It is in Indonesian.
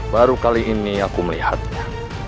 baru kali ini aku melihatnya